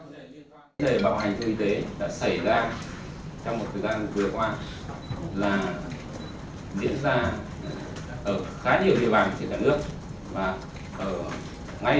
bệnh viện cũng xảy ra như thế này